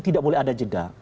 tidak boleh ada jeda